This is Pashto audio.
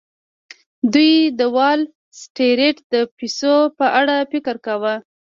دوی د وال سټریټ د پیسو په اړه فکر کاوه